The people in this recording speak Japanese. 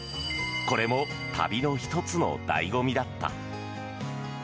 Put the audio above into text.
これも旅の１つの醍醐味だった。